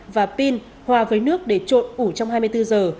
và pin hòa với nước để trộn ủ trong hai mươi bốn giờ